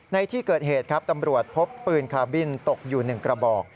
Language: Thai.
ในที่เกิดเหตุครับตำรวจพบปืนคาบินตกอยู่๑กระบอก